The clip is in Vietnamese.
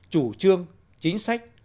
chủ trương chính sách